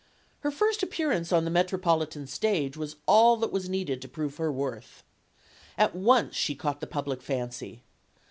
Her first appearance on the metropolitan stage was all that was needed to prove her worth. At once she caught the public fancy.